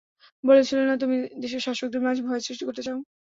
বলেছিলে না তুমি দেশের শাসকদের মাঝে ভয় সৃষ্টি করতে চাও?